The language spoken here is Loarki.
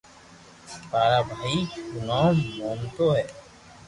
ڀارا بائي رو نوم موننو ھي